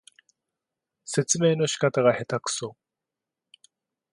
説明の仕方がへたくそ